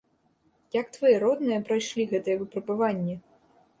Як твае родныя прайшлі гэтае выпрабаванне?